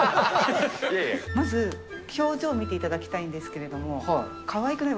まず、表情見ていただきたいんですけども、かわいくない？